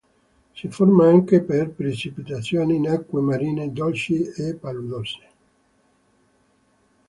Si forma anche per precipitazioni in acque marine, dolci e paludose.